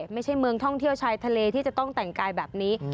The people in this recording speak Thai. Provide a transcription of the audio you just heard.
ไม่ใช่เมืองท่องเที่ยวชายทะเลที่จะต้องแต่งกายแบบนี้